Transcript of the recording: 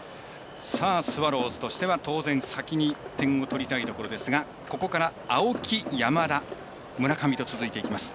スワローズとしては当然先に点を取りたいところですがここから、青木、山田村上と続いていきます。